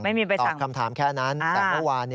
ไม่มีใบสั่งตอบคำถามแค่นั้นแต่เมื่อวาน